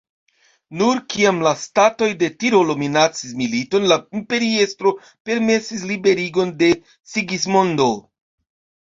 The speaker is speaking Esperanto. Nur kiam la statoj de Tirolo minacis militon, la imperiestro permesis liberigon de Sigismondo.